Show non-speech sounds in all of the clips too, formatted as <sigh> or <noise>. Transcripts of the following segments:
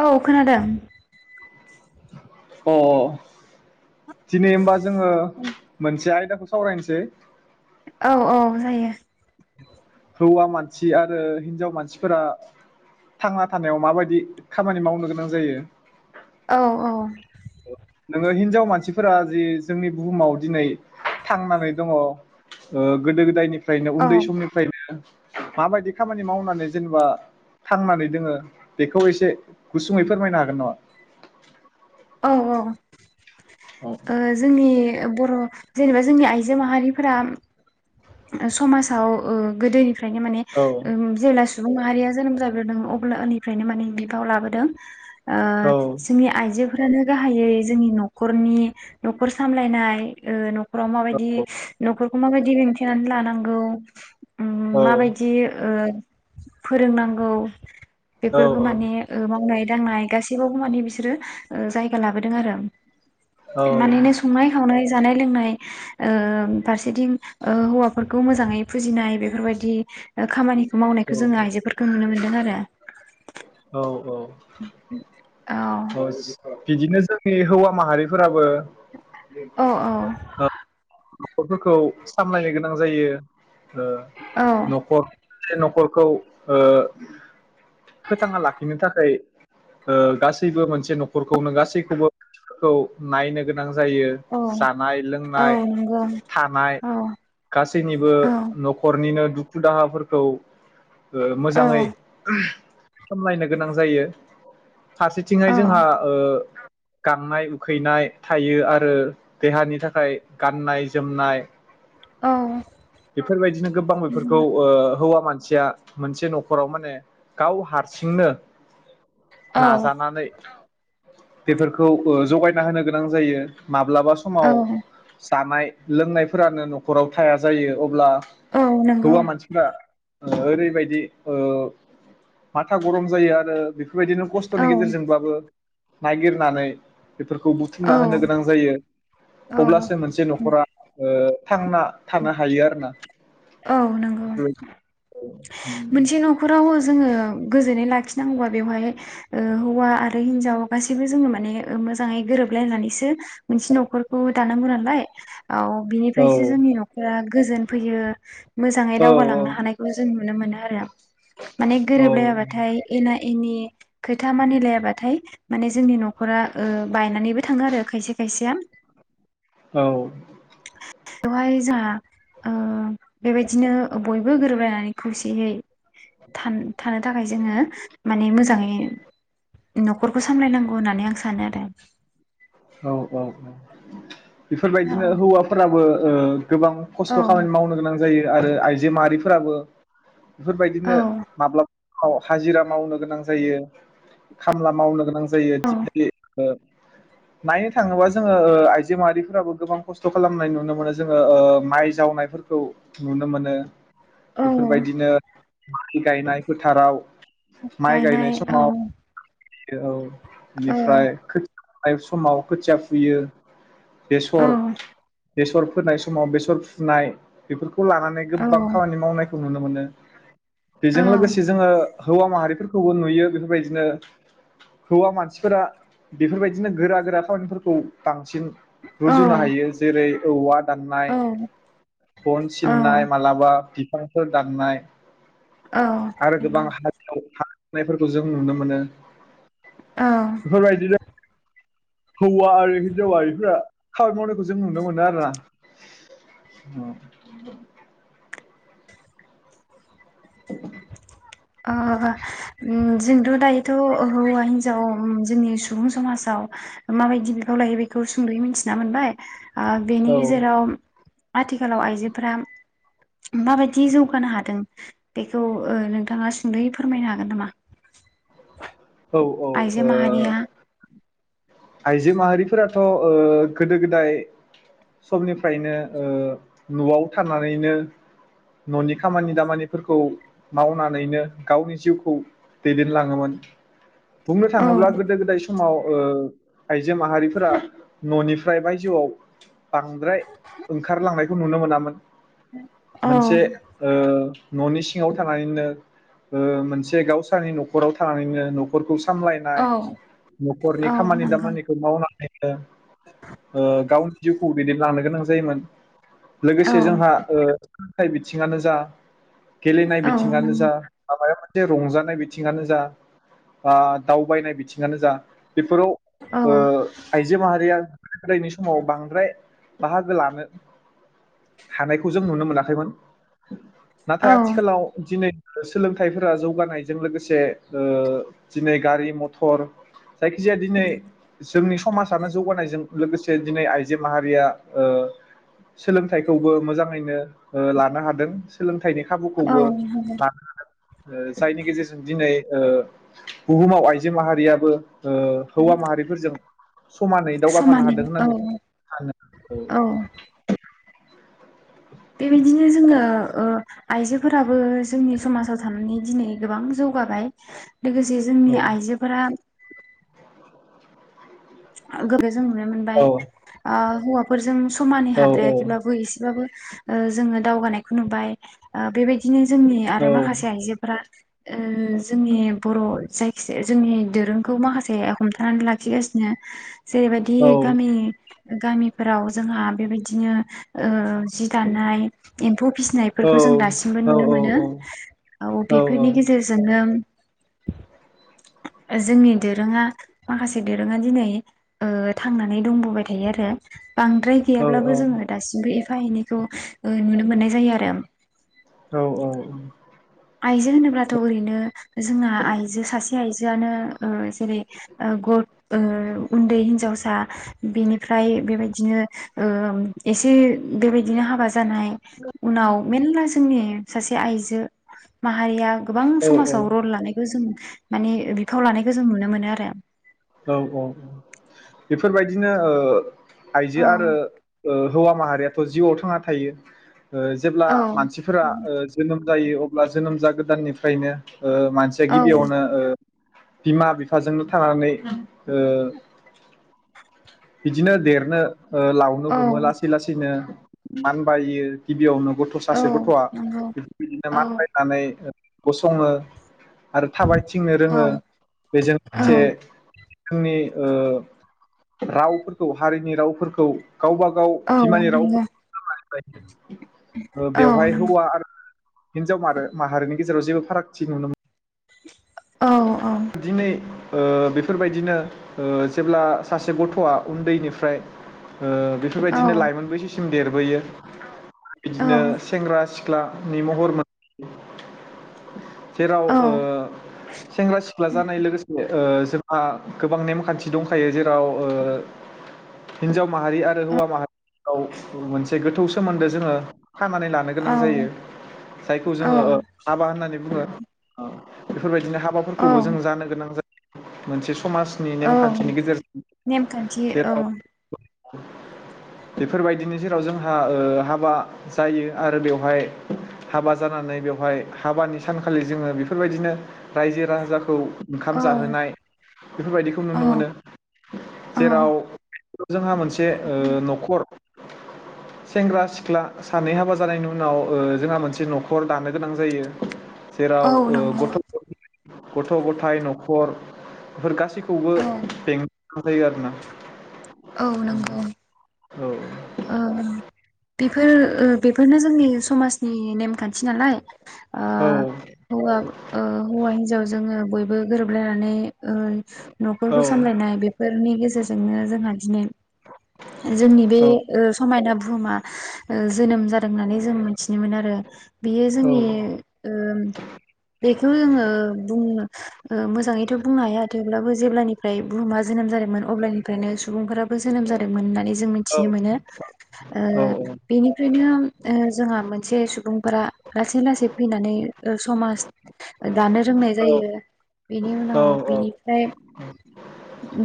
औ खोनादों अ अ दिनै होनबा जोङो मोनसे आयदा खौ सावरायनोसै औ औ जायो हौवा मानसि आरो हिन्जाव मानसिफोरा थांना थानायाव माबायदि खामानि मावनो गोनां जायो औ औ नोङो हिनजाव मानसिफोरा जि जोंनि बुहुमाव दिनै थांनानै दङ गोदो गोदायनि फ्रायनो औ उन्दै समनिफ्रायनो माबायदि खामानि मावनानै जेनेबा थांनानै दोङो बेखौ एसे गुसुङै फोरमायनो हागोन नामा? औ औ। औ ओ जोंनि बर' जेनेबा जोंनि आइजो माहारिफोरा समाजाव गोदोनि गोदोनिफ्रायनो औ माने सुबुं माहारिया जोनोम जाब्रोदों अब्ला उन्दनिफ्रायनो माने बिफाव लाबोदों। ओ औ जोंनि आइजोफोरानो गाहायै जोंनि न'खनि न'खर सामलायनाय नाव माबायदि न'खर माबादि दिन्थियो मिथिनानै लानांगौ। औ माबायदि ओ फोरोंनांगौ। औ बेफोरखौ माने गोबां दांनाय गासैयावबो माने बिसोरो जायगा लाबोदों आरो। माननो संनाय खावनाय जानाय लोंनाय ओ फारसेथिं हौवाफोरखौ मोजाङै फुजिनाय बेफोरबायदि खामानिखौ मावनायखौ जोङो आइजोफोरखौ नुनो मोनो। <unintelligible> औ औ। <inaudible> बिदिनो जोंनि हौवा माहारिफोराबो बे औ <inaudible> न'खरफोरखौ सामलायनो गोनां जायो। ओ न'खर <unintelligible> न'खर खौ ओ फोथांना लाखिनो थाखाय गासै सैबो मोनसे न'खरखौनो गासैखौबो नायनो गोनां जायो जानाय, लोंनाय, थानाय गासैनिबो न'खरनिनो दुखु दुखु दाहाफोरखौ ओ मोजाङै सामलायनो गोनां जायो। फारसेथिंहाय जोंहा ओ गांनाय उखैनाय थायो आरो देहानि थाखाय गाननाय जोमनाय औ। बेफोरबायदिनो गोबां बेफोरखौ ओ हौवा मानसिया मोनसे न'खराव माने गाव हारसिंनो औ नाजानानै बेफोरखौ ओ जगायना होनो गोनां जायो। माब्लाबा समाव सि दानाय लोंनायफोरानो न'खराव थाया जायो अब्ला औ नंगौ हौवा मानसिफ्रा ओ ओरैबायदि ओ माथा गरम जायो आरो बे फोरबायदिनो औ खस्थ'नि गेजेरजोंबाबो नायगिरनानै बेफोरखौ औ बुथुमना होनो गोनां जायो। औ नंगौ औ अब्लासो मोनसे न'खरा ओ थांना थाना हायो आरो ना। औ नंगौ हो मोनसे न'खराव जोङो गोजोनै लाखिनांगौबा बेवहाय ओ हौवा आरो हिनजाव गासैबो जोङो माने मोजाङै गोरोबलायनानैसो मोनसे न'खरखौ दानांगौ नालाय औ औ बिनिफ्रायसो जोंनि न'खरा गोजोन फैयो। मोजाङै औ औ दावगालांनो हानायखौ जों नु नुनो मोनो। आरो। माने औ गोरोबलायाबाथाय एना एनि खोथा मानिलायाबाथाय माने जोंनि न'खरा ओ बायनानैबो थाङो आरो खायसे खायसेया। औ। एवहाय जाहा ओ बेबायदिनो बयबो गोरोबलायनानै खौसेयै थान थानो थाखाय जोङो माने मोजाङै न'खरखौ सामलायनांगौ होननानै आं सा सानो आरो। औ औ औ बेफोरबायदिनो हौवाफोराबो ओ गोबां औ खस्थ' खामानि मावनो गोनां जायो आरो आइजो माहारिफोराबो औ बेफोरबायदिनो माब्लाब हाजिरा मावनो गोनां जायो खामला मावनो गोनां जा औ जायो <unintelligible> नायनो थाङोबा जोङो ओ आइजो माहारिफोराबो गोबां खस्थ' खालामनाय नुनो मोनो जोङो ओ माइ जावनायफोरखौ नुनो मोनो औ बेफोरबायदिनो माइ गायनाय फोथाराव माइ गायनाय समाव औ औ बेनिफ्राय खो समाव खोथिया फुयो फुयो औ बेसर बेसर फोनाय समाव बेसर फु नाय बेफोरखौ खौ लानानै औ गोबां खामानि मावनाय नुनो मोनो बेजों लोगोसे औ जोङो हौवा माहारिफोरखौबो नुयो बेफोरबायदिनो हौवा मानसिफोरा बेफोरबायदिनो गोरा गोरा खामानिफोरखौ बांसिन रुजुनो औ हायो जेरै औवा दान्नाय औ बन फिन्नाय मालाबा <unintelligible> दान्नाय औ आरो गोबां नंगौ हारि आवथ नायफोरखौ जों नुनो मोनो औ बेफोरबायदिनो हौवा आरो हिन्जावा माहारिफोरा खामानि मावनायखौ जों नुनो मोनो आरो ना। ओ उम जोंथ' दायोथ' हौवा हिन्जाव जोंनि सुबुं समाजाव माबायदि बिफाव लायो बेखौ सुंद'यै मिथिना मोनबाय ओ बेनि गेजेराव आथिखालाव आइजोफोरा माबायदि जौगानो हादों बे थ' ओ नोंथाङा सुंद'यै फोरमायनो हागोन नामा? औ औ आइजो ओ माहारिया आइजो माहारिफोराथ' ओ गोदो गोदाय समनिफ्रायनो ओ न'आव थानानैनो न'नि खामानि दामानिफोरखौ मावनानैनो गावनि जिउखौ दैदेनलाङोमोन बुंनो औ थाङोब्ला गोदो गोदाय समाव ओ। आइजो माहारिफोरा न'निफ्राय बायजोआव बांद्राय ओंखारलांनायखौ नुनो मोनामोन औ मोनसे ओ न'नि सिङाव थानानैनो ओ मोनसे गावसोरनि न'खराव थानानैनो न'खरखौ सामलायनाय औ नखरनि खामानि दाम नंगौ मावनानैनो ओ गावनि जिउखौ दैदेनलांनो गोनां जायोमोन औ लोगोसे जोंहा ओ बिथिङानो जा गेलेनाय औ बिथिङानो नंगौ जा माबा जे रंजानाय बिथिङानो जा ओ दावबायनाय बिथिङानो जा बेफोराव औ ओ आइजो माहारिया ओरैनो समाव बांद्राय बाहागो लानो हानायखौ जों नुनो मोनाखैमोन। औ नाथाय आथिखालाव दिनै सोलोंथाइफोरा जौगानायजों लोगोसे ओ दिनै गारि मथर जायखिजाया दिनै जोंनि समाजानो जौगानायजों लोगोसे दिनै आइजो माहारिया ओ सोलोंथाइखौबो मोजाङैनो ओ लानो हादों। फिथाइनि औ खाबुखौबो लानो हागोन ओ जायनि गेजेरजों दिनै ओ बुहुमाव आइजो माहारियाबो ओ हौवा माहारि फोरजों समानै दावगाफानो समानै हादों औ होननानै सानो औ औ। बेबायदिनो जोङो आइजोफोराबो जोंनि समाजाव थानानै दिनै गोबां जौगाबाय। लोगोसे जोंनि आइजोफोरा <unintelligible> जों नुनो औ मोनबाय ओ हौवा फोरजों समानै औ हाद्रायाखैब्लाबो एसेबाबो ओ जोङो दावगानायखौ नुबाय ओ बेबायदिनो जोंनि औ आरो माखासे आइजोफोरा ओ जोंनि बर' जायखिजाया जोंनि दोरोंखौ माखासे हमथानानै लाखिगासिनो। जेरैबायदि औ गामि गामिफोराव जोंहा बेबायदिनो ओ जि दानाय एम्फौ फिसिनायफोरखौ जों दासिमबो औ नुनो औ औ मोनो औ बेफोरनि गेजेरजोंनो जोंनि दोरोङा माखासे दोरोङा दिनै ओ थांनानै दंबोबाय थायो आरो। बांद्राय औ औ गैयाब्लाबो जोङो दासिमबो ए फा एनैखौ ओ नुनो मोननाय जायो आरो औ औ आइजो होनोब्लाथ' ओरैनो जोंना आइजो सासे सासे आइजोआनो ओ जेरै ओ ग ओ उन्दै हिनजावसा बेनिफ्राय बेबायदिनो ओ एसे बेबायदिनो हाबा जानाय उनाव मेरला जोंनि सासे आइजो माहारिया गोबां समासाव रल लानायखौ जों माने बिफाव लानायखो जों नुनो मोनो आरो औ औ बेफोरबायदिनो ओ आइजो औ आरो ओ हौवा माहारियाथ' जिउआव थांना थायो ओ जेब्ला औ मानसिफोरा ओ जोनोम जायो अब्ला जोनोम जागोदाननिफ्रायनो ओ मानसिया औ गिबियावनो ओ बिमा बिफाजोंनो थानानै ओ बिदिनो देरनो ओ लावनो औ हमो लासै लासैनो मानबायो गिबियावनो गथ' औ सासे गथ'आ नंगौ बि बिदिनो औ मान बायनानै गसङो आरो थाबायथिंनो औ रोङो बेजों औ लोगोसे जोंनि ओ रावफोरखौ हारिनि रावफोरखौ गावबा गाव औ बिमानि नंगौ रावफोर औ बेवहाय नंगौ हौवा आरो हिनजाव मा माहारिनि गेजेराव जेबो फारागथि नुनो औ दिनै ओ बेफोरबायदिनो ओ जेब्ला सासे गथ'आ उन्दैनिफ्राय ओ औ बेफोरबायदिनो लाइमोनबैसोसि सिम देरबोयो बिदिनो सेंग्रा सि ख्लानि महर मोन जेराव ओ सेंग्रा सिख्ला जानाय लोगोसे ओ जोंहा गोबां नेमखान्थि दंखायो जेराव हिन्जाव माहारि आरो हौवा माहारियाव मोनसे गोथौ सोमोन्दो जोङो खानानै लानो गोनां जायो जायखौ औ जोङो हाबा होननानै सिमबो बेफोरबायदि दिनो हाबाफोरखौबो जों जानो गोनां जा मोनसे समाजनि औ नेमखान्थिनि नेमखान्थि औ गेजेरजों <unintelligible> बेफोरबायदिनि जेराव जोंहा ओ हाबा जायो आरो बेवहाय हाबा जानानै बेवहाय हाबानि सानखालि जोङो बेफोरबायदिनो रायजो राजाखौ ओंखाम औ जाहोनाय बेफोरबायदिखौ नुनो औ मोनो औ जेराव जोंहा मोनसे ओ न'खर सेंग्रा सिख्ला सानै हाबा जानायनि उनाव ओ जोंहा मोनसे न'खर दानो गोनां जायो। जेराव औ ओ नंगौ गथ' <inaudible> गथ' गथाय न'खर बेफोर गासै खौवबो औ बें सामलायो आरोना औ नंगौ औ ओ बेफोर ओ बेफोरनो जोंनि समाजनि नेमखान्थि नालाय ओ औ हौवा ओ हौवा हिन्जाव जोंओं बयबो गोरोबलायनानै ओ औ न'खरखौ सामलायनाय बेफोरनि गेजे जेरजोंनो जोंहा दिनो जोंनि बे औ ओ समायना बु बुहुमा ओ जोनोम जादों होननानै जों मिथिनो मोनो आरो बियो औ जोंनि ओ बेखौ जोङो बुंनो ओ मोजाङैथ' बुंनो हाया थेवब्लाबो जेब्लानिफ्राय बुहुमा जोनोम जादोंमोन अब्लानिफ्रायनो सुबुंफोराबो जोनोम जादोंमोन होननानै जो जों मिथिनो मोनो ओ औ बेनिफ्रायनो ओ जोंहा मोन से सुबुंफोरा लासै लासै फैनानै ओ समाज दानो रोंनाय जायो। बेनि उनाव बेनिफ्राय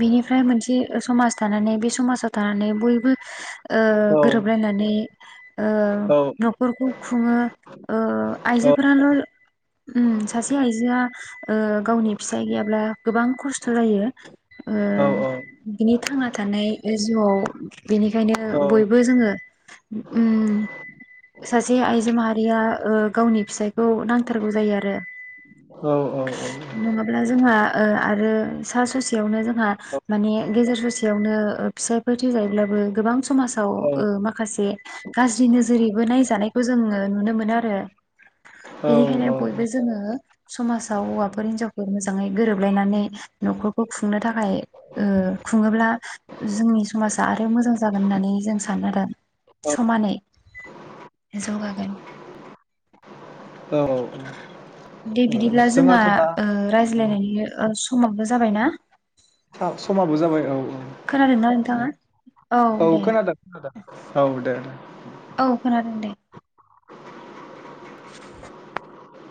बिनिफ्राय मोनसे समाज थानानै बे समाजाव थानानै बयबो ओ गोरोबलायनानै ओ औ न'खरखौ खुङो ओ आइजोफोराल' उम सासे आइजोआ ओ गावनि फिसाय गैयाब्ला गोबां खस्थ' जायो ओ औ बिनि थांना थानाय जिउआव बेनिखायनो बयबो जोङो उम सासे आइजो माहारिया ओ गावनि फिसायखौ नांथारगौ जायो आरो औ औ नङाब्ला जोंहा ओ आरो सा ससे बेवनो जोंहा माने गेजेर ससे यावनो फिसाय थैजायो ब्लाबो गोबां समाजाव ओ माखासे गाज्रि नोजोरैबो नायजानायखौ जोङो नुनो मोनो आरो बेनिखायनो बयबो जोङो समाजाव हौवाफोर हिनजाव मोजाङै गोरोबलायनानै न'खरखौ खुंनो थाखाय ओमफ्राय ओ खुङोब्ला जोंनि समाजा आरो मोजां जागोन होननानै जों सानो आदा समानै जौगागोन दे बिदिब्ला जोंहा जोंहाथ' दा ओ रायज्लायनायनि ओ। समावबो जाबायना। समाबो जाबाय औ खोनादोंना नोंथाङा? औ दे। <inaudible> औ खोनादों दे। <inaudible>